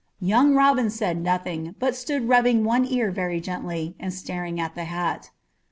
Young Robin said nothing, but stood rubbing one ear very gently, and staring at the hat.